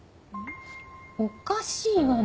おかしいわね